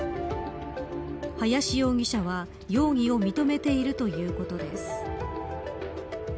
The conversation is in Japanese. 林容疑者は容疑を認めているということです。